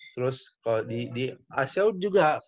terus di asia juga